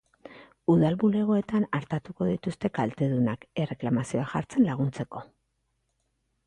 Udal bulegoetan artatuko dituzte kaltedunak, erreklamazioak jartzen laguntzeko.